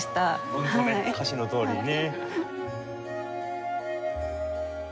ホントね歌詞のとおりにね。